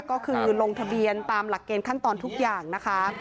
ก็คือลงทะเบียนตามหลักเกณฑ์ขั้นตอนทุกอย่างนะคะ